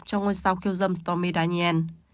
cho ngôi sao khiêu dâm stormy daniel